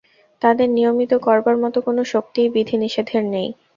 তাঁদের নিয়মিত করবার মত কোন শক্তিই বিধি-নিষেধের নেই।